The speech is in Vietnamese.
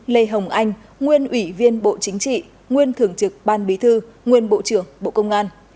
lê hồng anh nguyên ủy viên bộ chính trị nguyên thường trực ban bí thư nguyên bộ trưởng bộ công an